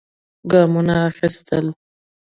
ګامونه اخېستل.